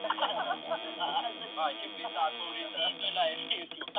La versión Ultimate Marvel de Taskmaster es un mercenario afroamericano.